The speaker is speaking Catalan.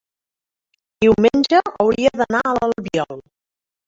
diumenge hauria d'anar a l'Albiol.